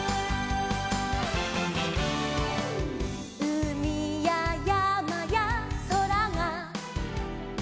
「うみややまやそらが」